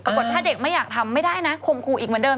ถ้าเด็กไม่อยากทำไม่ได้นะคมครูอีกเหมือนเดิ